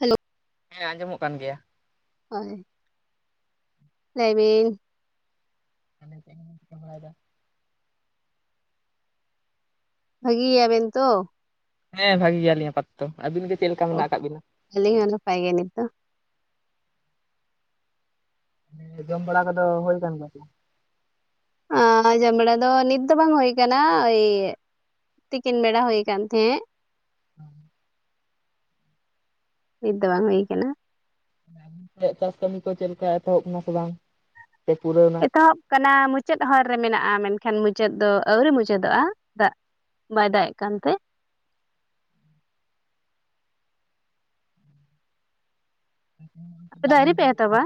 Hello ᱦᱮᱸ ᱟᱸᱡᱚᱢᱚᱜ ᱠᱟᱱ ᱜᱮᱭᱟ᱾ ᱦᱳᱭ ᱞᱟᱹᱭ ᱵᱤᱱ᱾ ᱟᱵᱤᱱ ᱪᱮᱜ ᱠᱚᱵᱤᱱ ᱪᱤᱠᱟᱹ ᱵᱟᱲᱟᱭ ᱫᱟ? ᱵᱷᱟᱹᱜᱤ ᱜᱮᱭᱟᱵᱤᱱ ᱛᱚ? ᱦᱮᱸ ᱵᱷᱟᱹᱜᱤ ᱜᱮᱭᱟᱞᱤᱧ ᱟᱯᱟᱛᱛᱚ, ᱟᱹᱵᱤᱱ ᱜᱮ ᱪᱮᱜ ᱞᱮᱠᱟ ᱢᱮᱱᱟᱜ ᱠᱟᱜ ᱵᱤᱱᱟ? ᱟᱞᱤᱧ ᱦᱚᱸ ᱱᱟᱯᱟᱭᱜᱮ ᱱᱤᱛ ᱫᱚ᱾ ᱡᱚᱢ ᱵᱟᱲᱟ ᱠᱚᱫᱚ ᱦᱳᱭ ᱠᱟᱱ ᱜᱮᱭᱟ ᱥᱮ ᱵᱟᱝ? ᱟᱸ ᱡᱚᱢᱵᱟᱲᱟ ᱫᱚ ᱱᱤᱛ ᱫᱚ ᱵᱟᱝ ᱦᱳᱭ ᱠᱟᱱᱟ ᱳᱭ ᱛᱤᱠᱤᱱ ᱵᱮᱲᱟ ᱦᱳᱭ ᱠᱟᱱ ᱛᱮᱦᱮᱸᱜ᱾ ᱦᱮᱸ ᱱᱤᱛ ᱫᱚ ᱵᱟᱝ ᱦᱩᱭ ᱠᱟᱱᱟ᱾ ᱟᱵᱤᱱ ᱥᱮᱜ ᱪᱟᱥ ᱠᱟᱹᱢᱤ ᱠᱚ ᱪᱮᱜ ᱞᱮᱠᱟ ᱮᱛᱚᱦᱚᱵ ᱠᱟᱱᱟ ᱥᱮ ᱵᱟᱝ? ᱥᱮ ᱯᱩᱨᱟᱹᱣ ᱛᱚᱦᱚᱵ ᱠᱟᱱᱟ ᱢᱩᱪᱟᱹᱫ ᱦᱚᱨ ᱨᱮ ᱢᱮᱱᱟᱜᱼᱟ ᱢᱮᱱᱠᱷᱟᱱ ᱢᱩᱪᱟᱹᱫ ᱫᱚ ᱟᱹᱣᱨᱤ ᱢᱩᱪᱟᱹᱫᱚᱜᱼᱟ ᱫᱟᱜ ᱵᱟᱭ ᱫᱟᱜᱼᱮᱜ ᱠᱟᱱᱛᱮ᱾ [inaudible] ᱟᱯᱮ ᱫᱚ ᱫᱟᱜ ᱟᱹᱣᱨᱤ ᱡᱟᱹᱲᱤ ᱯᱮ ᱮᱛᱚᱦᱚᱵᱟ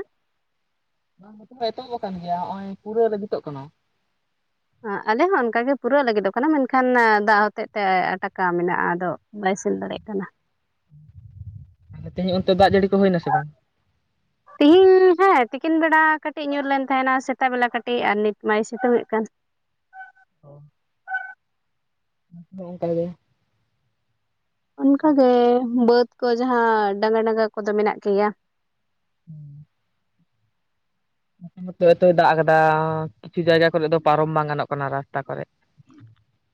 ᱵᱟᱝ [inaudible] ᱮᱛᱚᱦᱚᱵ ᱟᱠᱟᱱ ᱜᱮᱭᱟ ᱦᱚᱸᱜᱼᱚᱭ ᱯᱩᱨᱟᱹ ᱞᱟᱹᱵᱤᱛᱚᱜ ᱠᱟᱱᱟ᱾ [unintelligible] ᱟᱸ ᱟᱞᱮ ᱦᱚᱸ ᱚᱱᱠᱟᱜᱮ ᱯᱩᱨᱟᱹᱜ ᱞᱟᱹᱜᱤᱫᱚᱜ ᱠᱟᱱᱟ ᱢᱮᱱᱠᱷᱟᱱ ᱫᱟᱜ ᱦᱚᱛᱮᱜ ᱛᱮ ᱟᱴᱟᱠᱟ ᱢᱮᱱᱟᱜᱼᱟ ᱟᱫᱚ ᱵᱟᱭ ᱥᱮᱱ ᱫᱟᱲᱮᱜ ᱠᱟᱱᱟ᱾ ᱛᱮᱦᱮᱧ ᱚᱱᱛᱮ ᱫᱟᱜ ᱡᱟᱹᱲᱤ ᱠᱚ ᱦᱩᱭᱱᱟ ᱥᱮ ᱵᱟᱝ? ᱛᱤᱦᱤᱧ ᱦᱮᱸ ᱛᱤᱠᱤᱱ ᱵᱮᱲᱟ ᱠᱟᱹᱴᱤᱡ ᱧᱩᱨ ᱞᱮᱱ ᱛᱟᱦᱮᱱᱟ ᱥᱮᱛᱟᱜ ᱵᱮᱞᱟ ᱠᱟᱹᱴᱤᱡ ᱟᱨ ᱱᱤᱛ ᱢᱟᱭ ᱥᱤᱛᱩᱝᱮᱜ ᱠᱟᱱ᱾ ᱚ [inaudible] ᱚᱝᱠᱟ ᱜᱮ᱾ ᱚᱱᱠᱟᱜᱮ ᱵᱟᱹᱫᱽ ᱠᱚ ᱡᱟᱸᱦᱟ ᱰᱟᱸᱜᱟ ᱰᱟᱸᱜᱟ ᱠᱚᱫᱚ ᱢᱮᱱᱟᱜ ᱜᱮᱭᱟ᱾ ᱦᱩᱸ ᱱᱚᱛᱮ [unintelligible] ᱫᱟᱜ ᱠᱟᱫᱟ ᱠᱤᱪᱷᱩ ᱡᱟᱭᱜᱟ ᱠᱚᱨᱮᱜ ᱫᱚ ᱯᱟᱨᱚᱢ ᱵᱟᱝ ᱜᱟᱱᱚᱜ ᱠᱟᱱᱟ ᱨᱟᱥᱛᱟ ᱠᱚᱨᱮᱜ᱾ [inaudible]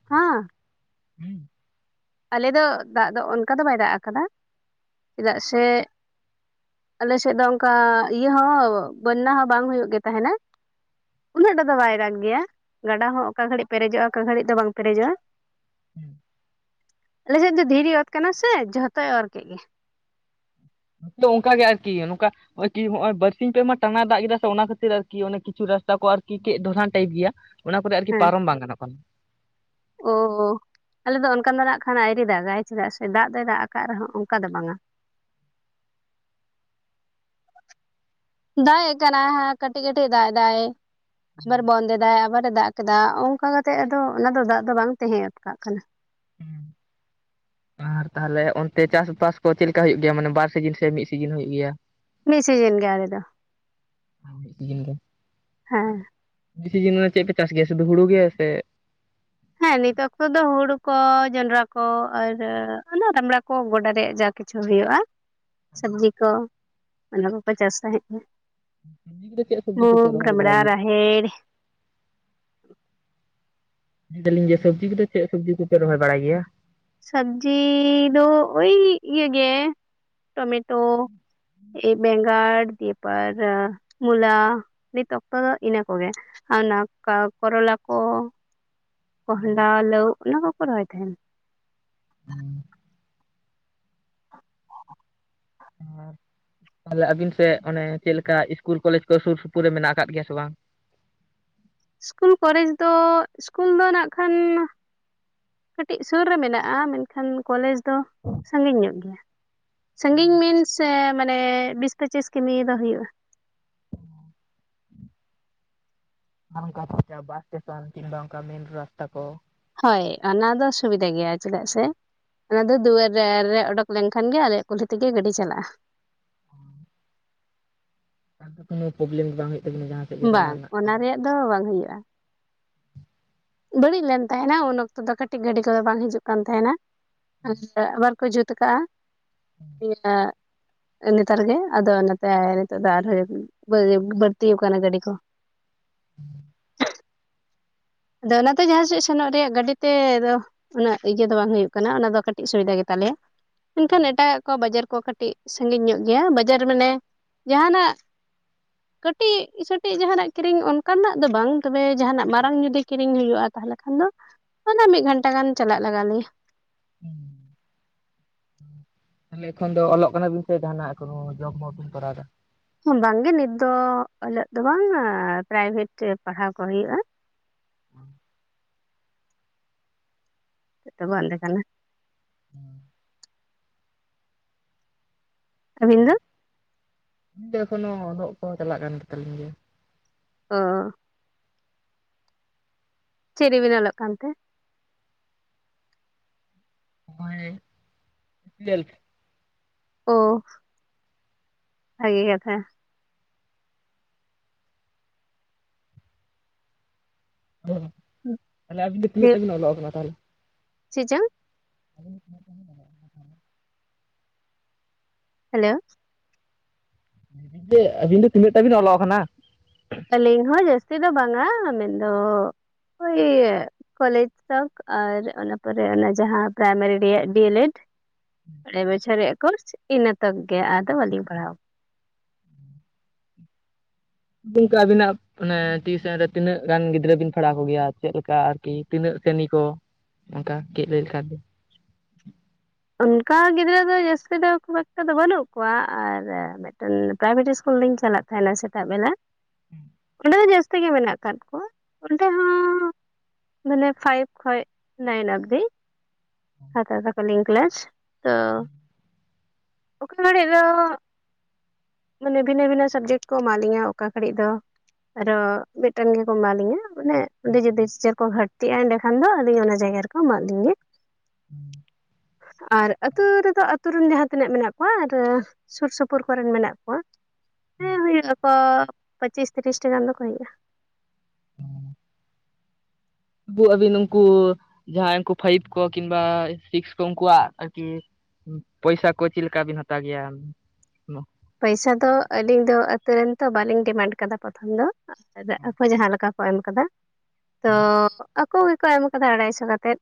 ᱦᱟᱸ ᱦᱩᱸ ᱟᱞᱮ ᱫᱚ ᱫᱟᱜ ᱫᱚ ᱚᱱᱠᱟ ᱫᱚ ᱵᱟᱭ ᱫᱟᱜ ᱟᱠᱟᱫᱟ ᱪᱮᱫᱟᱜ ᱥᱮ ᱟᱞᱮᱥᱮᱜ ᱫᱚ ᱚᱝᱠᱟ ᱤᱭᱟᱹ ᱦᱚᱸ ᱵᱚᱱᱱᱟ ᱦᱚᱸ ᱵᱟᱝ ᱦᱩᱭᱩᱜ ᱜᱮ ᱛᱟᱦᱮᱱᱟ᱾ ᱩᱱᱟᱹᱜ ᱴᱟ ᱫᱚ ᱵᱟᱭ ᱫᱟᱜᱽ ᱜᱮᱭᱟ ᱜᱟᱰᱟ ᱦᱚᱸ ᱚᱠᱟ ᱜᱷᱟᱹᱲᱤᱡ ᱯᱮᱨᱮᱡᱚᱜᱼᱟ ᱚᱠᱟ ᱜᱷᱟᱹᱲᱤᱡ ᱫᱚ ᱵᱟᱝ ᱯᱮᱨᱮᱡᱚᱜᱼᱟ᱾ ᱦᱩᱸ ᱟᱞᱮᱥᱮᱜ ᱫᱚ ᱫᱷᱤᱨᱤ ᱚᱛ ᱠᱟᱱᱟ ᱥᱮ ᱡᱷᱚᱛᱚᱭ ᱚᱨ ᱠᱮᱜ ᱜᱮ᱾ ᱱᱚᱛᱮ ᱚᱝᱠᱟ ᱜᱮ ᱟᱨᱠᱤ ᱱᱚᱠᱟ ᱱᱚᱜᱼᱚᱭ ᱠᱤ ᱦᱚᱸᱜᱼᱚᱭ ᱵᱟᱨᱥᱤᱧ ᱯᱮ ᱢᱟ ᱴᱟᱱᱟᱭ ᱫᱟᱜ ᱠᱮᱫᱟᱥᱮ ᱚᱱᱟ ᱠᱷᱟᱹᱛᱤᱨ ᱟᱨᱠᱤ ᱚᱱᱮ ᱠᱤᱪᱷᱩ ᱨᱟᱥᱛᱟ ᱠᱚ ᱟᱨᱠᱤ ᱠᱮᱜ ᱫᱷᱚᱨᱟᱱ ᱴᱟᱭᱤᱯ ᱜᱮᱭᱟ᱾ ᱚᱱᱟ ᱠᱚᱨᱮ ᱟᱨᱠᱤ ᱦᱮᱸ ᱯᱟᱨᱚᱢ ᱵᱟᱝ ᱜᱟᱱᱚᱜ ᱠᱟᱱᱟ᱾ ᱳ ᱟᱞᱮᱫᱚ ᱚᱱᱠᱟ ᱫᱚ ᱱᱟᱜ ᱠᱷᱟᱱ ᱟᱭᱨᱤ ᱫᱟᱜᱟᱭ ᱪᱮᱫᱟᱜ ᱥᱮ ᱫᱟᱜ ᱫᱚᱭ ᱫᱟᱜ ᱠᱟᱜ ᱨᱮᱦᱚᱸ ᱚᱝᱠᱟ ᱫᱚ ᱵᱟᱝᱟ᱾ ᱫᱟᱜᱼᱮᱜ ᱠᱟᱱᱟᱭ ᱦᱟ ᱠᱟᱹᱴᱤᱡ ᱠᱟᱹᱴᱤᱡ ᱫᱟᱜ ᱮᱫᱟᱭ ᱟᱵᱟᱨ ᱵᱚᱱᱫ ᱮᱫᱟᱭ ᱟᱵᱟᱨᱮ ᱫᱟᱜ ᱠᱮᱫᱟ ᱚᱝᱡᱟ ᱠᱟᱛᱮᱜ ᱟᱫᱚ ᱚᱱᱟ ᱫᱚ ᱫᱟᱜ ᱫᱚ ᱵᱟᱝ ᱛᱮᱸᱦᱮ ᱟᱴᱠᱟᱜ ᱠᱟᱱᱟ᱾ ᱟᱨ ᱛᱟᱦᱞᱮ ᱚᱱᱛᱮ ᱪᱟᱥᱵᱟᱥ ᱠᱚ ᱪᱮᱜ ᱞᱮᱠᱟ ᱦᱩᱭᱩᱜ ᱜᱮᱭᱟ ᱢᱟᱱᱮ ᱵᱟᱨ ᱥᱤᱡᱤᱱ ᱥᱮ ᱢᱤᱜ ᱥᱤᱡᱤᱱ ᱦᱩᱭᱩᱜ ᱜᱮᱭᱟ? [unintelligible] ᱥᱤᱡᱤᱱ ᱜᱮ ᱟᱞᱮ ᱫᱚ᱾ ᱟ ᱢᱤᱜ ᱥᱤᱡᱤᱱ ᱜᱮ᱾ ᱦᱮᱸ [unintelligible] ᱪᱮᱜ ᱯᱮ ᱪᱟᱥ ᱜᱮᱭᱟ ᱥᱩᱫᱩ ᱦᱩᱲᱩ ᱜᱮ ᱥᱮ ᱦᱮᱸ ᱱᱤᱛ ᱚᱠᱛᱚ ᱫᱚ ᱦᱩᱲᱩ ᱠᱚ ᱡᱚᱱᱰᱨᱟ ᱠᱚ ᱟᱨ ᱚᱱᱟ ᱨᱟᱢᱲᱟ ᱠᱚ ᱜᱚᱰᱟ ᱨᱮᱭᱟᱜ ᱡᱟᱠ ᱠᱤᱪᱷᱩ ᱦᱩᱭᱩᱜ-ᱟ, ᱥᱚᱵᱽᱡᱤ ᱠᱚ ᱚᱱᱟ ᱠᱚᱠᱚ ᱪᱟᱥ ᱛᱟᱸᱦᱮᱜ-ᱟ᱾ ᱥᱚᱵᱽᱡᱤ ᱠᱚᱫᱚ ᱪᱮᱫ ᱥᱚᱵᱽᱡᱤ ᱠᱚᱯᱮ ᱢᱩᱜ ᱨᱚᱦᱚᱭ ᱵᱟᱲᱟᱭ ᱨᱟᱢᱲᱟ ᱜᱮᱭᱟ ᱨᱟᱦᱮᱲ᱾ ᱞᱟᱹᱭ ᱫᱟᱹᱞᱤᱧ ᱡᱮ ᱥᱚᱵᱽᱡᱤ ᱠᱚᱫᱚ, ᱪᱮᱫ ᱥᱚᱵᱽᱡᱤ ᱠᱚᱯᱮ ᱨᱚᱦᱚᱭ ᱵᱟᱲᱟᱭ ᱜᱮᱭᱟ? ᱥᱚᱵᱽᱡᱤ ᱫᱚ ᱳᱭ ᱤᱭᱟᱹ ᱜᱮ ᱴᱚᱢᱮ ᱴᱳ ᱮᱭ ᱵᱮᱸᱜᱟᱲ ᱫᱤ ᱯᱟᱨ ᱢᱩᱞᱟ ᱱᱤᱛ ᱚᱠᱛᱚ ᱫᱚ ᱤᱱᱟᱹ ᱠᱚᱜᱮ᱾ ᱟᱨ ᱚᱱᱟ ᱠᱚᱨᱚᱞᱟ ᱠᱚ ᱠᱚᱦᱚᱰᱟ ᱞᱟᱹᱣ ᱚᱱᱟ ᱠᱚᱠᱚ ᱨᱚᱦᱚᱭ ᱛᱟᱦᱮᱱ᱾ ᱛᱟᱦᱚᱞᱮ ᱟᱵᱤᱱ ᱥᱮᱱ ᱚᱱᱮ ᱪᱮᱜ ᱞᱮᱠᱟ ᱤᱥᱠᱩᱞ ᱠᱚᱞᱮᱡᱽ ᱠᱚ ᱥᱩᱨ ᱥᱩᱯᱩᱨ ᱨᱮ ᱢᱮᱱᱟᱜ ᱟᱠᱟᱜ ᱜᱮᱭᱟ ᱥᱮ ᱵᱟᱝ? ᱤᱥᱠᱩᱞ ᱠᱚᱞᱮᱡᱽ ᱫᱚ ᱥᱠᱩᱞ ᱫᱚ ᱱᱟᱜ ᱠᱷᱟᱱ ᱠᱟᱹᱴᱤᱡ ᱥᱩᱨ ᱨᱮ ᱢᱮᱱᱟᱜ-ᱟ, ᱢᱮᱱᱠᱷᱟᱱ ᱠᱚᱞᱮᱡᱽ ᱛᱚ ᱥᱟᱺᱜᱤᱧ ᱧᱚᱜ ᱜᱮᱭᱟ ᱥᱟᱺᱜᱤᱧ ᱢᱤᱱᱥ ᱥᱮ ᱢᱟᱱᱮ ᱵᱤᱥ ᱯᱚᱪᱤᱥ ᱠᱤᱢᱤ ᱫᱚ ᱦᱩᱭᱩᱜ-ᱟ᱾ ᱟᱨ ᱚᱱᱠᱟ ᱵᱟᱥ ᱥᱴᱮᱥᱚᱱ ᱠᱤᱝᱵᱟ ᱚᱱᱠᱟ ᱢᱮᱱ ᱨᱟᱥᱛᱟ ᱠᱚ ᱦᱳᱭ, ᱚᱱᱟ ᱫᱚ ᱥᱩᱵᱤᱫᱟ ᱜᱮᱭᱟ, ᱪᱮᱫᱟᱜ ᱥᱮ ᱚᱱᱟ ᱫᱚ ᱫᱩᱣᱟᱹᱨ ᱨᱮ ᱨᱮ ᱚᱰᱚᱠ ᱞᱮᱱᱠᱷᱟᱱ ᱜᱮ ᱟᱞᱮᱭᱟᱜ ᱠᱩᱞᱦᱤ ᱛᱮᱜᱮ ᱜᱟᱹᱰᱤ ᱪᱟᱞᱟᱜ-ᱟ᱾ [inaudible] ᱟᱫᱚ ᱛᱟᱞᱮ ᱯᱚᱵᱞᱮᱢ ᱵᱟᱝ ᱦᱩᱭᱩᱜ ᱛᱟᱵᱤᱱᱟ ᱡᱟᱦᱟᱸᱱᱟᱜ ᱾ ᱵᱟᱝ ᱚᱱᱟ ᱨᱮᱭᱟᱜ ᱫᱚ ᱵᱟᱝ ᱦᱩᱭᱩᱜ-ᱟ᱾ ᱵᱟᱹᱲᱤᱡ ᱞᱮᱱ ᱛᱟᱦᱮᱱᱟ, ᱩᱱ ᱚᱠᱛᱚ ᱫᱚ ᱠᱟᱹᱴᱤᱡ ᱜᱟᱰᱤ ᱠᱚᱫᱚ ᱵᱟᱝ ᱦᱤᱡᱩᱜ ᱠᱟᱱ ᱛᱟᱦᱮᱱᱟ ᱟᱨ ᱟᱵᱟᱨ ᱠᱚ ᱡᱩᱛ ᱠᱟᱜ-ᱟ, ᱢᱤᱫᱡᱚᱠᱷᱟᱜ᱾ ᱱᱮᱛᱟᱨ ᱜᱮ ᱟᱫᱚ ᱚᱱᱟᱛᱮ ᱱᱤᱛᱚᱜ ᱫᱚ ᱟᱨᱦᱚ ᱵᱟᱹᱭ ᱵᱟᱹᱲᱛᱤ ᱟᱠᱟᱱᱟ ᱜᱟᱹᱰᱤ ᱠᱚ᱾ [inaudible] ᱟᱫᱚ ᱚᱱᱟᱛᱮ ᱡᱟᱦᱟ ᱥᱮᱫ ᱥᱮᱱᱚᱜ ᱨᱮᱭᱟᱜ ᱜᱟᱰᱤ ᱛᱮ ᱫᱚ᱾ ᱩᱱᱟᱹᱜ ᱤᱭᱟᱹ ᱫᱚ ᱵᱟᱝ ᱦᱩᱭᱩᱜ ᱠᱟᱱᱟ ᱚᱱᱟ ᱫᱚ ᱠᱟᱴᱤᱡ ᱥᱩᱵᱤᱫᱟ ᱜᱮᱛᱟ ᱞᱮᱭᱟ ᱢᱮᱱ ᱠᱷᱟᱱ ᱮᱴᱟᱜᱟᱜ ᱠᱚ ᱵᱟᱡᱟᱨ ᱠᱚ ᱠᱟᱴᱤᱡ ᱥᱟᱹᱜᱤᱧ ᱧᱚᱜ ᱜᱮᱭᱟ ᱵᱟᱡᱟᱨ ᱢᱟᱱᱮ ᱡᱟᱦᱟᱱᱟᱜ ᱠᱟᱹᱴᱤᱡ ᱥᱟᱹᱴᱤᱡ ᱡᱟᱦᱟᱱᱟᱜ ᱠᱤᱨᱤᱧ ᱚᱱᱠᱟᱱᱟᱜ ᱫᱚ ᱵᱟᱝ ᱛᱚᱵᱮ ᱡᱟᱦᱟᱱᱟᱜ ᱢᱟᱨᱟᱝ ᱡᱩᱫᱤ ᱠᱤᱨᱤᱧ ᱦᱩᱭᱩᱜ-ᱟ ᱛᱟᱦᱚᱞᱮ ᱠᱷᱟᱱ ᱫᱚ ᱢᱱᱟᱮ ᱢᱤᱫ ᱜᱷᱟᱱᱴᱟ ᱜᱟᱱ ᱪᱟᱞᱟᱜ ᱞᱟᱜᱟᱣ ᱞᱮᱭᱟ᱾ [inaudible] ᱛᱟᱦᱞᱮ ᱮᱠᱷᱚᱱ ᱫᱚ ᱚᱞᱚᱜ ᱠᱟᱱᱟᱵᱤᱱ ᱥᱮ ᱡᱟᱦᱟᱱᱟᱜ ᱠᱳᱱᱳ ᱡᱚᱵ ᱢᱚᱵ ᱵᱤᱱ ᱠᱚᱨᱟᱣ ᱮᱫᱟ? ᱵᱟᱝᱜᱮ ᱱᱤᱛ ᱫᱚ ᱚᱞᱚᱜ ᱫᱚ ᱵᱟᱝ ᱮ ᱯᱨᱟᱭᱵᱷᱮᱴ ᱨᱮ ᱯᱟᱲᱦᱟᱣ ᱠᱚ ᱦᱩᱭᱩᱜ-ᱟ᱾ ᱡᱚᱛᱚ ᱵᱚᱱᱫ ᱞᱮᱠᱟᱱᱟ᱾ ᱦᱩᱸ᱾ ᱟᱵᱤᱱ ᱫᱚ? ᱤᱧ ᱫᱚ ᱮᱠᱷᱚᱱᱳ ᱚᱞᱚᱜ ᱠᱚᱦᱚ ᱪᱟᱞᱟᱜ ᱠᱟᱱ ᱜᱮᱛᱟᱞᱤᱧ ᱜᱮᱭᱟ᱾ ᱚᱻ᱾ ᱪᱤᱜ ᱨᱤᱵᱤᱱ ᱚᱞᱚᱜ ᱠᱟᱱ ᱛᱮ? ᱢᱚᱭ ᱴᱩᱭᱮᱞᱯᱷ᱾ ᱳ᱾ ᱵᱷᱟᱜᱮ ᱠᱟᱛᱷᱟ᱾ ᱛᱟᱦᱚᱞᱮ ᱟᱵᱤᱱ ᱫᱚ ᱛᱤᱱᱟᱹᱜ ᱴᱟ ᱵᱤᱱ ᱚᱞᱚᱜ ᱠᱟᱱᱟ ᱛᱟᱦᱟᱞᱮ? ᱪᱮᱜ ᱪᱚᱝ? ᱛᱤᱱᱟᱹᱜ ᱴᱟ ᱵᱤᱱ ᱚᱞᱚᱜ ᱠᱟᱱᱟ ᱛᱟᱦᱟᱞᱮ? ᱦᱮᱞᱳ? ᱫᱟᱹᱭ ᱟᱵᱤᱱ ᱫᱚ ᱛᱤᱱᱟᱹᱜ ᱴᱟ ᱵᱤᱱ ᱚᱞᱚᱜ ᱠᱟᱱᱟ? ᱟᱞᱤᱧ ᱦᱚ ᱡᱟᱹᱥᱛᱤ ᱫᱚ ᱵᱟᱝᱟ ᱢᱮᱱᱫᱚ ᱳᱭ ᱠᱚᱞᱮᱡᱽ ᱛᱚᱠ ᱟᱨ ᱚᱱᱟ ᱯᱚᱨᱮ ᱚᱱᱟ ᱡᱟᱦᱟ ᱯᱨᱟᱭᱢᱟᱨᱤ ᱨᱮᱭᱟᱜ ᱰᱤᱭᱮᱞᱮᱵ ᱢᱚᱬᱮ ᱵᱚᱪᱷᱚᱨ ᱨᱮᱭᱟᱜ ᱠᱳᱨᱥ ᱤᱱᱟᱹᱛᱚᱠ ᱜᱮ ᱟᱫᱚ ᱵᱟᱞᱤᱧ ᱯᱟᱲᱦᱟᱣ ᱵᱩᱝᱠᱤ ᱟᱵᱤᱱᱟᱜ ᱚᱱᱮ ᱴᱤᱣᱩᱥᱮᱱ ᱨᱮ ᱛᱤᱱᱟᱹᱜ ᱜᱟᱱ ᱜᱤᱫᱽᱨᱟᱹ ᱵᱤᱱ ᱯᱟᱲᱦᱟᱣ ᱠᱚᱜᱮᱭᱟ ᱪᱮᱫᱞᱮᱠᱟ ᱟᱨᱠᱤ ᱛᱤᱱᱟᱹᱜ ᱥᱮᱨᱱᱤ ᱠᱚ ᱚᱱᱠᱟ ᱜᱮᱡ ᱞᱟᱹᱭ ᱞᱮᱠᱷᱟᱱ ᱫᱚ ᱚᱱᱠᱟ ᱜᱤᱫᱽᱨᱟᱹ ᱫᱚ ᱡᱟᱹᱥᱛᱤ ᱫᱚ ᱠᱷᱩᱵᱽ ᱮᱠᱴᱟ ᱫᱚ ᱵᱟᱹᱱᱩᱜ ᱠᱚᱣᱟ ᱟᱨ ᱢᱤᱫᱴᱮᱱ ᱯᱨᱟᱭᱵᱷᱮᱴ ᱤᱥᱠᱩᱞ ᱞᱤᱧ ᱪᱟᱞᱟᱜ ᱛᱟᱦᱮᱱᱟ ᱥᱮᱛᱟᱜ ᱵᱮᱞᱟ ᱚᱸᱰᱮ ᱫᱚ ᱡᱟᱥ ᱛᱤ ᱜᱮ ᱢᱮᱱᱟᱜ ᱠᱟᱫ ᱠᱚᱣᱟ ᱚᱸᱰᱮ ᱦᱚᱸ ᱢᱟᱱᱮ ᱯᱷᱟᱭᱤᱵ ᱠᱷᱚᱡ ᱱᱟᱭᱤᱱ ᱚᱵᱫᱤ ᱦᱟᱛᱟᱣ ᱛᱟᱠᱚᱣᱟᱞᱤᱧ ᱠᱞᱟᱥ ᱛᱚ ᱚᱠᱟ ᱜᱷᱟᱹᱲᱤᱡ ᱫᱚ ᱢᱟᱱᱮ ᱵᱷᱤᱱᱟᱹ ᱵᱷᱤᱱᱟᱹ ᱥᱟᱵᱡᱮᱠᱴ ᱠᱚ ᱮᱢᱟ ᱞᱤᱧᱟ ᱚᱠᱟ ᱜᱷᱟᱹᱲᱤᱡ ᱫᱚ ᱟᱨᱚ ᱢᱤᱫᱴᱮᱱ ᱜᱮᱠᱚ ᱮᱢᱟ ᱞᱤᱧᱟᱹ ᱢᱟᱱᱮ ᱚᱸᱰᱮ ᱡᱩᱫᱤ ᱴᱤᱪᱟᱨ ᱠᱚ ᱜᱷᱟᱹᱴᱛᱤᱜᱼᱟ ᱮᱸᱰᱮ ᱠᱷᱟᱱ ᱫᱚ ᱟᱞᱤᱧ ᱚᱱᱟ ᱡᱟᱭᱜᱟ ᱨᱮᱠᱚ ᱮᱢᱟᱜ ᱞᱤᱧ ᱜᱮ [inaudible] ᱟᱨ ᱟᱹᱛᱩ ᱨᱮᱫᱚ ᱟᱹᱛᱩ ᱨᱮᱱ ᱡᱟᱦᱟ ᱛᱤᱱᱟᱹᱜ ᱢᱮᱱᱟᱜ ᱠᱚᱣᱟ ᱟᱨ ᱥᱩᱨ ᱥᱩᱯᱩᱨ ᱠᱚᱨᱮᱱ ᱢᱮᱱᱟᱜ ᱠᱚᱣᱟ ᱦᱮ ᱦᱩᱭᱩᱜ ᱟᱠᱚ ᱯᱚᱪᱤᱥ ᱛᱤᱨᱤᱥ ᱴᱤ ᱜᱟᱱ ᱫᱚᱠᱚ ᱦᱩᱭᱩᱜᱼᱟ᱾ ᱵᱳ ᱟᱹᱵᱤᱱ ᱩᱱᱠᱩ ᱡᱟᱦᱟᱸᱭ ᱩᱱᱠᱩ ᱯᱷᱟᱭᱤᱵ ᱠᱚ ᱠᱤᱢᱵᱟ ᱥᱤᱠᱥ ᱠᱚ ᱩᱱᱠᱩᱣᱟᱜ ᱟᱨᱠᱤ ᱯᱚᱭᱥᱟ ᱠᱚ ᱪᱮᱫ ᱞᱮᱠᱟ ᱵᱤᱱ ᱦᱟᱛᱟᱣ ᱜᱮᱭᱟ ᱯᱚᱭᱥᱟ ᱫᱚ ᱟᱹᱞᱤᱧ ᱫᱚ ᱟᱛᱩ ᱨᱮᱱ ᱛᱚ ᱵᱟᱞᱤᱧ ᱰᱤᱢᱟᱱᱰ ᱠᱟᱫᱟ ᱯᱚᱛᱷᱚᱢ ᱫᱚ ᱟᱠᱚ ᱡᱟᱦᱟ ᱞᱮᱠᱟ ᱠᱚ ᱮᱢ ᱠᱟᱫᱟ ᱛᱚ ᱟᱠ ᱠᱩ ᱜᱮᱠᱚ ᱮᱢ ᱠᱟᱫᱟ ᱟᱲᱟᱭ ᱥᱚ ᱠᱟᱛᱮᱫ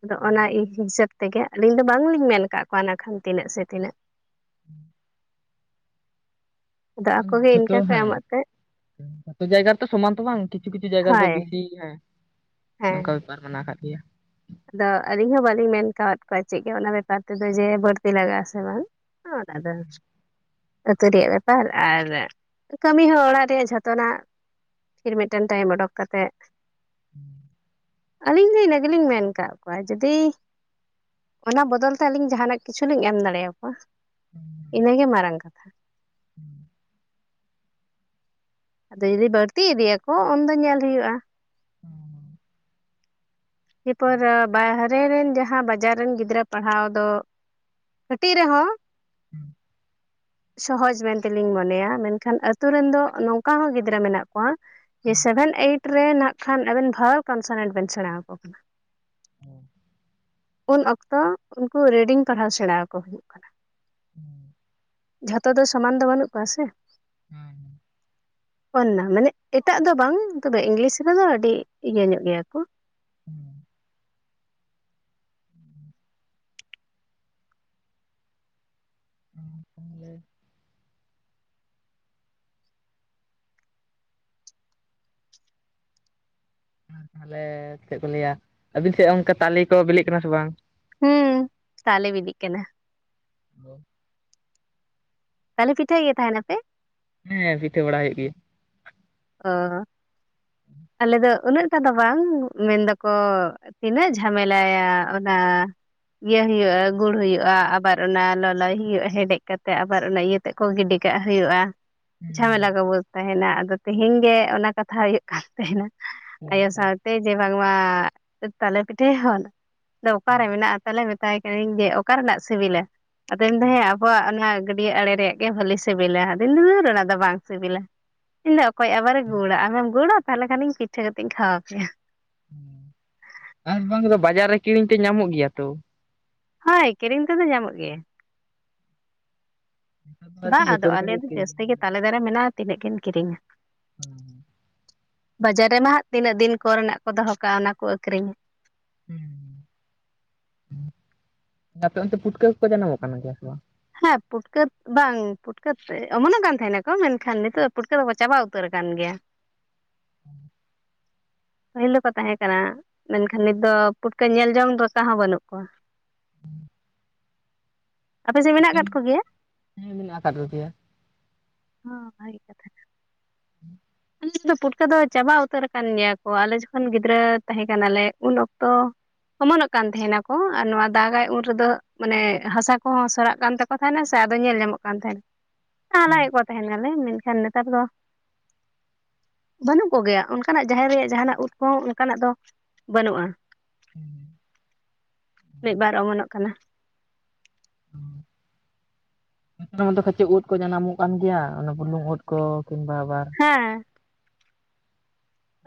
ᱟᱫᱚ ᱚᱱᱟ ᱤᱧ ᱦᱤᱥᱟᱹᱵᱽᱼᱼ ᱛᱮᱜᱮ ᱟᱹᱞᱤᱧ ᱫᱚ ᱵᱟᱝᱞᱤᱧ ᱢᱮᱱ ᱠᱟᱜ ᱠᱚᱣᱟ ᱱᱟᱠᱷᱟᱱ ᱛᱤᱱᱟᱹᱜ ᱥᱮ ᱛᱤᱱᱟᱹᱜ᱾ [inaudible] ᱟᱫᱚ ᱟᱫᱽ ᱟᱠᱚᱜᱮ ᱡᱚᱛᱚ ᱤᱱᱠᱟᱹ ᱠᱚ ᱦᱮᱸ ᱮᱢᱚᱜ ᱛᱮ ᱡᱚᱛᱚ ᱡᱟᱭᱜᱟ ᱨᱮᱛᱚ ᱥᱚᱢᱟᱱ ᱛᱚ ᱵᱟᱝ ᱠᱤ ᱼᱼ ᱠᱤᱪᱷᱩ ᱠᱤᱪᱷᱩ ᱡᱟᱭᱜᱟ ᱨᱮᱫᱚ ᱦᱳᱭ ᱵᱤᱥᱤ ᱦᱮᱸ ᱦᱮᱸ ᱱᱚᱝᱠᱟ ᱵᱮᱯᱟᱨ ᱢᱮᱱᱟᱜ ᱠᱟᱜ ᱜᱮᱭᱟ ᱾ ᱟᱫᱚ ᱟᱹᱞᱤᱧ ᱦᱚᱸ ᱵᱟᱹᱞᱤᱧ ᱢᱮᱱ ᱠᱟᱣᱟᱫ ᱠᱚᱣᱟ ᱪᱮᱜ ᱜᱮ ᱚᱱᱟ ᱵᱮᱯᱟᱨ ᱛᱮᱫᱚ ᱡᱮ ᱵᱟᱹᱲᱛᱤ ᱞᱟᱜᱟᱜ-ᱟ ᱥᱮ ᱵᱟᱝ᱾ ᱚᱸᱫᱽ ᱟᱫᱚᱼᱼ ᱟᱹᱛᱩ ᱨᱮᱭᱟᱜ ᱵᱮᱯᱟᱨ ᱟᱨ ᱠᱟᱹᱢᱤ ᱦᱚᱸ ᱚᱲᱟᱜ ᱨᱮᱭᱟᱜ ᱡᱷᱚᱛᱚ ᱱᱟᱜᱼᱼ ᱯᱷᱤᱨ ᱢᱤᱫᱴᱮᱱ ᱴᱟᱭᱤᱢ ᱚᱰᱚᱠ ᱠᱟᱛᱮᱜ᱾ [inaudible] ᱟᱹᱞᱤᱧ ᱫᱚ ᱤᱱᱟᱹ ᱜᱮᱞᱤᱧ ᱢᱮᱱᱼᱼ ᱠᱟᱜ ᱠᱚᱣᱟ ᱡᱩᱫᱤ ᱚᱱᱟ ᱵᱚᱫᱚᱞ ᱛᱮ ᱟᱹᱞᱤᱧ ᱡᱟᱦᱟᱸ ᱱᱟᱜ ᱠᱤᱪᱷᱩ ᱞᱤᱧ ᱮᱢ ᱫᱟᱲᱮᱭᱟᱠᱚᱣᱟ᱾ ᱤᱱᱟᱹ ᱜᱮ ᱢᱟᱨᱟᱝ ᱠᱟᱛᱷᱟ᱾ [inaudible] ᱟᱫᱚ ᱡᱩᱫᱤ ᱵᱟᱹᱲᱛᱤ ᱤᱫᱤ ᱭᱟᱠᱚ ᱩᱱᱫᱚ ᱧᱮᱞ ᱦᱩᱭᱩᱜ-ᱟ᱾ ᱦᱚᱸ ᱦᱚᱸ᱾ ᱤᱭᱟᱹ ᱯᱚᱨ ᱵᱟᱦᱨᱮ ᱨᱮᱱ ᱡᱟᱦᱟᱸ ᱵᱟᱡᱟᱨ ᱨᱮᱱ ᱜᱤᱫᱽᱨᱟᱹᱼᱼ ᱯᱟᱲᱦᱟᱣ ᱫᱚ ᱠᱟᱹᱴᱤᱡ ᱨᱮᱦᱚᱸᱼᱼ ᱥᱚᱦᱚᱡᱽ ᱢᱮᱱ ᱛᱮᱞᱤᱧ ᱢᱚᱱᱮᱭᱟ ᱢᱮᱱᱠᱷᱟᱱ ᱟᱹᱛᱩ ᱨᱮᱱ ᱫᱚ ᱱᱚᱝᱠᱟ ᱦᱚᱸ ᱜᱤᱫᱽᱨᱟᱹ ᱢᱮᱱᱟᱜ ᱠᱚᱣᱟ᱾ ᱡᱮ ᱥᱮᱵᱷᱮᱱ ᱮᱭᱤᱴ ᱨᱮᱱ ᱱᱟᱜ ᱠᱷᱟᱱ ᱟᱵᱮᱱ ᱵᱷᱟᱣᱮᱞ ᱠᱚᱱᱥᱮᱱᱮᱱᱴ ᱵᱮᱱ ᱥᱮᱬᱟ ᱣᱟᱠᱚ ᱠᱟᱱᱟ᱾ ᱩᱱ ᱚᱠᱛᱚ ᱩᱱᱠᱩ ᱨᱮᱰᱤᱝ ᱯᱟᱲᱦᱟᱣ ᱥᱮᱬᱟ ᱣᱟᱠᱚ ᱦᱩᱭᱩᱜ ᱠᱟᱱᱟ᱾ ᱦᱮᱸ᱾ ᱡᱷᱚᱛᱚ ᱫᱚ ᱥᱚᱢᱟᱱ ᱫᱚ ᱵᱟᱱᱩᱜ ᱠᱚᱣᱟ ᱥᱮ᱾ ᱦᱩᱸ ᱦᱩᱸ᱾ ᱚᱱᱟ ᱢᱟᱱᱮ ᱮᱴᱟᱜ ᱫᱚ ᱵᱟᱝ, ᱛᱚᱵᱮ ᱤᱝᱜᱞᱤᱥ ᱨᱮᱫᱚ ᱟᱹᱰᱤ ᱤᱭᱟᱹ ᱧᱚᱜ ᱜᱮᱭᱟ ᱠᱚ᱾ ᱟᱨ ᱛᱟᱦᱚᱞᱮ ᱪᱮᱜ ᱠᱚ ᱞᱟᱹᱭᱟ, ᱟᱹᱵᱤᱱ ᱥᱮᱜ ᱚᱱᱠᱟ ᱛᱟᱞᱤ‌ ᱠᱚ ᱵᱮᱞᱮᱜ ᱠᱟᱱᱟ ᱥᱮ ᱵᱟᱝ? ᱦᱩᱸ ᱛᱟᱞᱮ ᱵᱮᱞᱤᱜ ᱠᱟᱱᱟ᱾ [unintelligible] ᱛᱟᱞᱮ ᱯᱤᱴᱷᱟᱹᱭ ᱜᱮ ᱛᱟᱦᱮᱱᱟ ᱯᱮ? ᱦᱮᱸ ᱯᱤᱴᱷᱟᱹ ᱵᱟᱲᱟ ᱦᱩᱭᱩᱜ ᱜᱮᱭᱟ᱾ ᱚᱻ᱾ ᱟᱞᱮ ᱫᱚ ᱩᱱᱟᱹᱜ ᱴᱟ ᱫᱚ ᱵᱟᱝ ᱢᱮᱱ ᱫᱟᱠᱚᱼᱼ ᱛᱤᱱᱟᱹᱜ ᱡᱷᱟᱢᱮᱞᱟ ᱭᱟ ᱚᱱᱟ᱾ ᱤᱭᱟᱹ ᱦᱩᱭᱩᱜ-ᱟ᱾ ᱜᱩᱲ ᱦᱩᱭᱩᱜ-ᱟ᱾ ᱟᱵᱟᱨ ᱚᱱᱟ ᱞᱚᱞᱚᱭ ᱦᱩᱭᱩᱜ-ᱟ᱾ ᱦᱮᱰᱮᱡ ᱠᱟᱛᱮᱜ ᱟᱵᱟᱨ ᱚᱱᱟ ᱤᱭᱟᱹᱼᱼ ᱛᱮᱜ ᱠᱚ ᱜᱤᱰᱤ ᱠᱟᱜ ᱦᱩᱭᱩᱜ-ᱟ᱾ ᱡᱷᱟᱢᱮᱞᱟ ᱠᱚ ᱵᱩᱡᱽ ᱛᱟᱦᱮᱱᱟ᱾ ᱟᱫᱚ ᱛᱤᱦᱤᱧ ᱜᱮ ᱚᱱᱟ ᱠᱟᱛᱷᱟ ᱦᱩᱭᱩᱜ ᱠᱟᱱ ᱛᱮᱦᱮᱱᱟ᱾ ᱟᱭᱳ ᱥᱟᱶᱛᱮ ᱡᱮ ᱵᱟᱝ ᱢᱟ, ᱛᱟᱞᱮ ᱯᱤᱴᱷᱟᱹᱭᱟ ᱵᱚᱱ ᱫᱚ ᱚᱠᱟ ᱨᱮ ᱢᱮᱱᱟᱜ-ᱟ᱾ ᱛᱟᱦᱚᱞᱮ ᱢᱮᱛᱟᱭ ᱠᱟᱹᱱᱟᱹᱧ, ᱡᱮ ᱚᱠᱟ ᱨᱮᱱᱟᱜ ᱥᱤᱵᱤᱞᱟ ᱟᱫᱚᱭ ᱢᱮᱱ ᱫᱟ ᱦᱮᱸ ᱟᱵᱚᱣᱟᱜ ᱚᱱᱟᱼᱼ ᱜᱟᱹᱰᱭᱟᱹ ᱟᱲᱮ ᱨᱮᱭᱟᱜ ᱜᱮ ᱵᱷᱟᱹᱞᱤ ᱥᱤᱵᱤᱞᱟ, ᱟᱫᱩᱧᱱ ᱫᱷᱩᱨ ᱚᱱᱟ ᱫᱚ ᱵᱟᱝ ᱥᱤᱵᱤᱞᱟ᱾ ᱤᱧ ᱫᱚ ᱚᱠᱚᱭ ᱟᱵᱟᱨᱮ ᱜᱩᱲᱟ, ᱟᱢᱮᱢ ᱜᱩᱲᱟ ᱛᱟᱦᱚᱞᱮ ᱠᱷᱟᱱᱤᱧ ᱯᱤᱴᱷᱟᱹ ᱠᱟᱛᱮᱜ ᱤᱧ ᱠᱷᱟᱣᱟᱣ ᱯᱮᱭᱟ᱾ ᱟᱨ ᱵᱟᱝ ᱫᱚ ᱵᱟᱡᱟᱨ ᱨᱮ ᱠᱤᱨᱤᱧ ᱛᱮ ᱧᱟᱢᱚᱜ ᱜᱮᱭᱟ ᱛᱚ᱾ ᱦᱚᱭ ᱠᱤᱨᱤᱧ ᱛᱮᱫᱚ ᱧᱟᱢᱚᱜ ᱜᱮᱭᱟ᱾ ᱵᱟ ᱟᱨᱠᱤ ᱡᱚᱛᱚ ᱟᱫᱚ, ᱨᱚᱠᱚᱢ ᱟᱞᱮ ᱜᱮ ᱫᱚ ᱠᱤᱨᱤᱧ ᱡᱟᱹᱥᱛᱤ ᱜᱮ ᱛᱟᱞᱮ ᱫᱟᱨᱮ ᱢᱮᱱᱟᱜ-ᱟ᱾ ᱛᱤᱱᱟᱹᱜ ᱠᱤᱱ ᱠᱤᱨᱤᱝ-ᱟ᱾ ᱦᱩᱸ ᱦᱩᱸ᱾ ᱵᱟᱡᱟᱨ ᱨᱮᱢᱟ ᱦᱟᱸᱜ ᱛᱤᱱᱟᱹᱜ ᱫᱤᱱ ᱠᱚᱨᱮ ᱱᱟᱜ ᱠᱚ ᱫᱚᱦᱚ ᱠᱟᱜ-ᱟ᱾ ᱚᱱᱟ ᱠᱚ ᱟᱹᱠᱨᱤᱧᱟ᱾ ᱦᱩᱸ ᱦᱩᱸ ᱦᱩᱸ ᱟᱯᱮ ᱚᱱᱛᱮ ᱯᱩᱴᱠᱟᱹ ᱠᱚᱠᱚ ᱡᱟᱱᱟᱢᱚᱜ ᱠᱟᱱᱟ ᱜᱮᱭᱟ ᱥᱮ ᱵᱟᱝ? ᱦᱮᱸ ᱯᱩᱴᱠᱟᱹ ᱵᱟᱝ ᱯᱩᱴᱠᱟᱹ ᱛᱮ‌ᱜ ᱚᱢᱚᱱᱚᱜ ᱠᱟᱱ ᱛᱟᱦᱮᱱᱟ ᱠᱚ, ᱢᱮᱱᱠᱷᱟᱱ ᱱᱤᱛᱚᱜ ᱫᱚ ᱯᱩᱴᱠᱟᱹ ᱫᱚ ᱪᱟᱵᱟᱣ ᱩᱛᱟᱹᱨ ᱠᱟᱱ ᱜᱮᱭᱟ᱾ [inaudible] ᱯᱟᱹᱦᱤᱞ ᱫᱚ ᱠᱚ ᱛᱟᱦᱮᱸ ᱠᱟᱱᱟ᱾ ᱢᱮᱱᱠᱷᱟᱱ ᱱᱤᱛ ᱫᱚ ᱯᱩᱴᱠᱟᱹ ᱧᱮᱞ ᱡᱚᱝ ᱞᱮᱠᱟ ᱦᱚᱸ ᱵᱟᱹᱱᱩᱜ ᱠᱚᱣᱟ᱾ ᱯᱮ ᱥᱮ ᱢᱮᱱᱟᱜ ᱠᱟᱫ ᱦᱮᱸ ᱠᱚᱜᱮᱭᱟ ᱢᱮᱱᱟᱜ ᱟᱠᱟᱫ ᱠᱚᱜᱮᱭᱟ ᱚᱻ ᱵᱷᱟᱜᱤ ᱠᱟᱛᱷᱟ ᱠᱟᱱ᱾ [inaudible] [inaudible] ᱯᱩᱴᱠᱟᱹ ᱫᱚ ᱪᱟᱵᱟ ᱩᱛᱟᱹᱨ ᱟᱠᱟᱱ ᱜᱮᱭᱟ ᱠᱚ, ᱟᱞᱮ ᱡᱚᱠᱷᱚᱱ ᱜᱤᱫᱽᱨᱟᱹ ᱛᱟᱦᱮᱸ ᱠᱟᱱᱟᱞᱮ ᱩᱱ ᱚᱠᱛᱚ᱾ ᱚᱢᱚᱱᱚᱜ ᱠᱟᱱ ᱛᱟᱦᱮᱸᱱᱟ ᱠᱚ, ᱟᱨ ᱱᱚᱣᱟ ᱫᱟᱜᱟᱭ ᱩᱱ ᱨᱮ ᱫᱚ ᱢᱟᱱᱮ ᱦᱟᱥᱟ ᱠᱚᱦᱚᱸ ᱥᱚᱨᱟᱜ ᱠᱟᱱ ᱛᱟ [unintelligible] ᱛᱷᱟᱭᱱᱟ ᱥᱮ ᱟᱫᱚ ᱧᱮᱞ ᱧᱟᱢᱚᱜ ᱠᱟᱱ ᱛᱟᱦᱮᱸᱱ᱾ [inaudible] ᱦᱟ ᱞᱟᱭᱮᱫ ᱠᱚ ᱛᱟᱦᱮᱱ ᱠᱟᱱᱟᱞᱮ ᱢᱮᱱᱠᱷᱟᱱ ᱱᱮᱛᱟᱨ ᱫᱚ᱾ ᱵᱟᱹᱱᱩᱜ ᱠᱚᱜᱮᱭᱟ ᱚᱱᱠᱟᱱᱟᱜ ᱡᱟᱦᱮᱨ ᱨᱮᱭᱟᱜ ᱡᱟᱦᱟᱱᱟᱜ ᱩᱫ ᱠᱚᱦᱚᱸ ᱚᱱᱠᱟᱱᱟᱜ ᱫᱚ ᱵᱟᱹᱱᱩᱜᱼᱟ᱾ ᱢᱤᱜ ᱵᱟᱨ ᱚᱢᱚᱱᱚᱜ ᱠᱟᱱᱟ᱾ [unintelligible] [unintelligible] ᱠᱟᱹᱪᱤᱡ ᱩᱫ ᱠᱚ ᱡᱟᱱᱟᱢᱚᱜ ᱠᱟᱱ ᱜᱮᱭᱟ ᱚᱱᱟ ᱵᱩᱞᱩᱝ ᱩᱫ ᱠᱚ, ᱠᱤᱢᱵᱟ ᱵᱟᱨ ᱦᱮᱸ᱾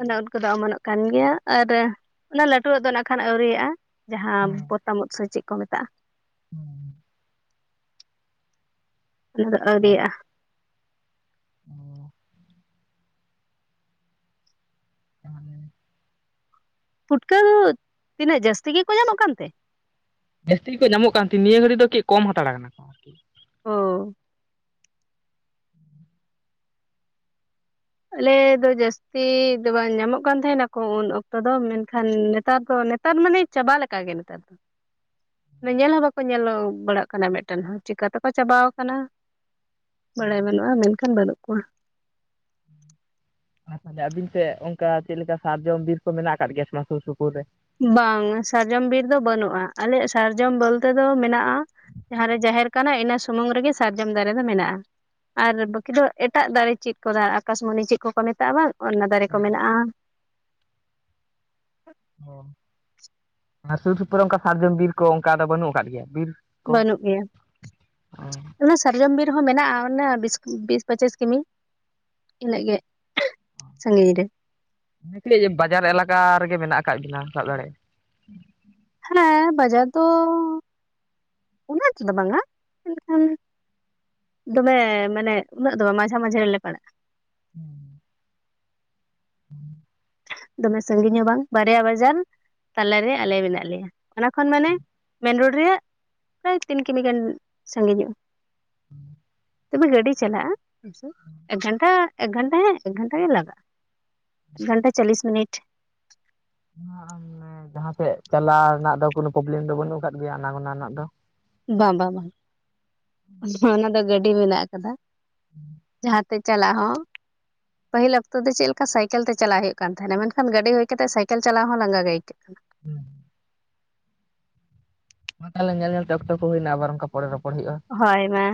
ᱚᱱᱟ ᱩᱫ ᱠᱚ ᱫᱚ ᱚᱢᱚᱱᱚᱜ ᱠᱟᱱ ᱜᱮᱭᱟ᱾ ᱟᱨ ᱚᱱᱟ ᱞᱟᱹᱴᱩᱭᱟᱜ ᱫᱚ ᱱᱟᱜᱠᱷᱟᱱ ᱟᱹᱣᱨᱤᱭᱟᱜᱼᱟ ᱡᱟᱦᱟᱸ [unintelligible] ᱚᱛ ᱦᱩᱸ ᱢᱚᱛᱟᱢ ᱳᱫ ᱥᱮ ᱪᱮᱫ ᱠᱚ ᱢᱮᱛᱟᱜᱼᱟ᱾ [unintelligible] ᱚᱱᱟ ᱫᱚ ᱚ ᱟᱹᱣᱨᱤᱭᱟᱜ-ᱟ᱾ [inaudible] [inaudible] ᱯᱷᱩᱴᱠᱟᱹ ᱫᱩ, ᱛᱤᱱᱟᱹᱜ ᱡᱟᱹᱥᱛᱤ ᱜᱮ ᱠᱚ ᱧᱟᱢᱚᱜ ᱠᱟᱱ ᱛᱮ? ᱡᱟᱹᱥᱛᱤ ᱜᱮ ᱠᱚ ᱧᱟᱢᱚᱜ ᱠᱟᱱ ᱛᱮᱱ ᱱᱤᱭᱟᱹ ᱜᱷᱟᱹᱲᱤᱡ ᱫᱚ [unintelligible] ᱠᱚᱢ ᱦᱟᱛᱟᱲ ᱠᱟᱱᱟ ᱾ [inaudible] ᱟᱞᱮ ᱫᱚ ᱡᱟᱹᱥᱛᱤ ᱫᱚ ᱵᱟᱝ ᱧᱟᱢᱚᱜ ᱠᱟᱱ ᱛᱟᱦᱮᱸ ᱱᱟᱠᱚ ᱩᱱ ᱚᱠᱛᱚ ᱫᱚ᱾ ᱢᱮᱱᱠᱷᱟᱱ ᱱᱮᱛᱟᱨ ᱫᱚ ᱱᱮᱛ ᱛᱟᱨ ᱢᱟᱱᱮ ᱪᱟᱵᱟ ᱞᱮᱠᱟ ᱜᱮ ᱱᱮᱛᱟᱨ ᱫᱚ᱾ ᱧᱮᱞ ᱦᱚᱸ ᱵᱟᱠᱚ ᱧᱮᱞᱚᱜ ᱵᱟᱲᱟᱜ ᱠᱟᱱᱟ ᱢᱤᱜᱴᱮᱱ ᱦᱚᱸ ᱪᱤᱠᱟ ᱛᱮᱠᱚ ᱪᱟᱵᱟᱣ ᱠᱟᱱᱟ᱾ ᱵᱟᱲᱟᱭ ᱵᱟᱹᱱᱩᱜᱼᱟ ᱢᱮᱱᱠᱷᱟᱱ ᱵᱟᱹᱱᱩᱜ ᱠᱚᱣᱟ᱾ [unintelligible] ᱟᱹᱵᱤᱱ ᱥᱮᱫ ᱚᱱᱠᱟ ᱪᱮᱜ ᱞᱮᱠᱟ ᱥᱟᱨᱡᱚᱢ ᱵᱤᱨ ᱠᱚ ᱢᱮᱱᱟᱜ ᱟᱠᱟᱫ ᱜᱮᱭᱟ ᱥᱮ ᱵᱟᱝ ᱥᱩᱨ ᱥᱩᱯᱩᱨ ᱨᱮ? ᱵᱟᱝ ᱥᱟᱨᱡᱚᱢ ᱵᱤᱨ ᱫᱚ ᱵᱟᱹᱱᱩᱜᱼᱟ᱾ ᱟᱞᱮᱭᱟᱜ ᱥᱟᱨᱡᱚᱢ ᱵᱚᱞᱛᱮ ᱫᱚ ᱢᱮᱱᱟᱜᱼᱟ ᱾ ᱡᱟᱦᱟᱸᱨᱮ ᱡᱟᱦᱮᱨ ᱠᱟᱱᱟ ᱤᱱᱟᱹ ᱥᱩᱢᱩᱝ ᱨᱮ ᱜᱮ ᱥᱟᱨᱡᱚᱢ ᱫᱟᱨᱮ ᱫᱚ ᱢᱮᱱᱟᱜᱼᱟ᱾ ᱟᱨ ᱵᱟᱹᱠᱤ ᱫᱚ ᱮᱴᱟᱜ ᱫᱟᱨᱮ ᱪᱮᱜ ᱠᱚ ᱫᱟ ᱟᱠᱟᱥᱢᱚᱱᱤ ᱪᱮᱜ ᱠᱚᱠᱚ ᱢᱮᱛᱟᱜᱼᱟ ᱵᱟᱝ ᱚᱱᱱᱟ ᱫᱟᱨᱮ ᱠᱚ ᱢᱮᱱᱟᱜᱼᱟ᱾ [inaudible] ᱟᱨ ᱥᱩᱨ ᱥᱩᱯᱩᱨ ᱨᱮ ᱚᱱᱠᱟ ᱥᱟᱨᱡᱚᱢ ᱵᱤᱨ ᱠᱚ ᱚᱝᱠᱟ ᱟᱫᱚ ᱵᱟᱹᱱᱩᱜ ᱟᱠᱟᱫ ᱜᱮᱭᱟ ᱵᱤᱨ? ᱠᱚ ᱵᱟᱹᱱᱩᱜ ᱜᱮᱭᱟ᱾ ᱚᱱᱟ ᱥᱟᱨᱡᱚᱢ ᱵᱤᱨ ᱦᱚᱸ ᱢᱮᱱᱟᱜᱼᱟ ᱚᱱᱟ ᱵᱤᱥ ᱵᱤᱥ ᱯᱚᱸᱪᱤᱥ ᱠᱤᱢᱤ᱾ ᱤᱱᱟᱹᱜ ᱜᱮ [unintelligible] ᱥᱟᱺᱜᱤᱧ ᱨᱮ᱾ [unintelligible] ᱵᱟᱡᱟᱨ ᱮᱞᱟᱠᱟ ᱨᱮ ᱜᱮ ᱢᱮᱱᱟᱜ ᱟᱠᱟᱜ ᱜᱤᱱᱟ ᱥᱟᱵ ᱫᱟᱲᱮ ᱾ ᱦᱮᱸ, ᱵᱟᱡᱟᱨ ᱫᱚ ᱩᱱᱟᱹᱜ [unintelligible] ᱵᱟᱝ-ᱟ᱾ ᱢᱮᱱᱠᱷᱟᱱ ᱾ ᱫᱚᱢᱮ ᱢᱟᱱᱮ ᱩᱱᱟᱹᱜ ᱫᱚ ᱵᱟᱝ ᱢᱟᱡᱷᱟ ᱢᱟᱡᱷᱮ ᱨᱮ ᱞᱮ ᱯᱟᱲᱟᱜᱼᱟ᱾ ᱦᱩᱸ, [unintelligible] ᱫᱚᱢᱮ ᱥᱟᱺᱜᱤᱧ ᱦᱚᱸ ᱵᱟᱝ ᱵᱟᱨᱭᱟ ᱵᱟᱡᱟᱨ ᱾ ᱛᱟᱞᱟ ᱨᱮ ᱟᱞᱮ ᱢᱮᱱᱟᱜ ᱞᱮᱭᱟ᱾ ᱚᱱᱟ ᱠᱷᱚᱱ ᱢᱟᱱᱮ ᱢᱮᱱ ᱨᱳᱰ ᱨᱮᱭᱟᱜ ᱯᱨᱟᱭ ᱛᱤᱱ ᱠᱤᱢᱤ ᱜᱟᱱ ᱥᱟᱺᱜᱤᱧᱚᱜᱼᱟ᱾ [inaudible] ᱛᱚᱵᱮ ᱜᱟᱹᱰᱤ ᱪᱟᱞᱟᱜᱼᱟ ᱮᱠ ᱜᱷᱟᱱᱴᱟ ᱮᱠ ᱜᱷᱟᱱᱴᱟ ᱦᱮᱸ ᱮᱠ ᱜᱷᱟᱱᱴᱟ ᱜᱮ ᱞᱟᱜᱟᱜᱼᱟ᱾ ᱜᱷᱟᱱᱴᱟ ᱪᱟᱞᱞᱤᱥ ᱢᱤᱱᱤᱴ ᱾ [inaudible] ᱡᱟᱦᱟᱸ ᱥᱮᱫ ᱪᱟᱞᱟᱣ ᱨᱮᱱᱟᱜ ᱫᱚ ᱠᱳᱱᱳ ᱯᱨᱚᱵᱞᱮᱢ ᱫᱚ ᱵᱟᱹᱱᱩᱜ ᱠᱟᱫ ᱜᱮᱭᱟ [unintelligible] ᱫᱚ ᱾ ᱵᱟᱝ ᱵᱟ ᱵᱟ ᱚᱱᱟ ᱱᱟᱜ ᱫᱚ ᱜᱟᱹᱰᱤ ᱢᱮᱱᱟᱜ ᱟᱠᱟᱫᱟ ᱡᱟᱦᱟᱸ ᱛᱮ ᱪᱟᱞᱟᱜ ᱦᱚᱸ᱾ ᱯᱟᱹᱦᱤᱞ ᱚᱠᱛᱚ ᱫᱚ ᱪᱮᱞᱠᱟ ᱥᱟᱭᱠᱮᱞ ᱛᱮ ᱪᱟᱞᱟᱜ ᱦᱳᱭᱳᱜ ᱠᱟᱱ ᱛᱟᱦᱮᱸᱱᱟ ᱢᱮᱱᱠᱷᱟᱱ ᱜᱟᱹᱰᱤ ᱦᱳᱭ ᱠᱟᱛᱮᱫ ᱥᱟᱭᱠᱮᱞ ᱪᱟᱞᱟᱣ ᱦᱚᱸ ᱞᱟᱸᱜᱟ ᱜᱮ ᱟᱹᱭᱠᱟᱹᱜ ᱾ [inaudible] ᱛᱟᱞᱮ ᱧᱮᱞ ᱧᱮᱞ ᱛᱮ ᱚᱠᱛᱚ ᱠᱚ ᱦᱳᱭᱱᱟ ᱟᱵᱟᱨ ᱚᱱᱠᱟ ᱯᱚᱨᱮ ᱨᱚᱯᱚᱲ ᱦᱳᱭᱳᱜᱼᱟ᱾ ᱦᱳᱭ ᱢᱟ